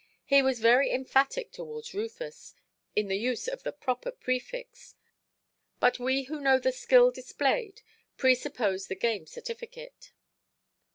He was very emphatic towards Rufus, in the use of the proper prefix; but we who know the skill displayed presuppose the game certificate.